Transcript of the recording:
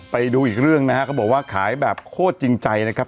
ไปดูอีกเรื่องนะฮะเขาบอกว่าขายแบบโคตรจริงใจนะครับ